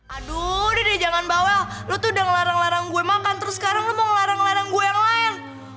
aduh deh jangan bawa lu tuh udah ngelarang larang gue makan terus sekarang lo mau ngelarang larang gue yang lain